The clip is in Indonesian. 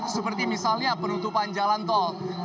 seperti misalnya penutupan jalan tol